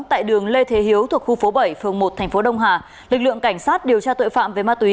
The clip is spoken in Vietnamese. tại đường lê thế hiếu thuộc khu phố bảy phường một thành phố đông hà lực lượng cảnh sát điều tra tội phạm về ma túy